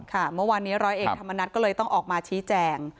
เมื่อวานนี้ร้อยเอกธรรมนัฐก็เลยต้องออกมาชี้แจง